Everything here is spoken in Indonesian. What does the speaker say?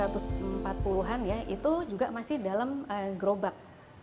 tahun seribu sembilan ratus empat puluh an ya itu juga masih dalam gerobak